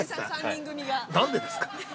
◆何でですか。